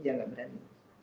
dia gak berani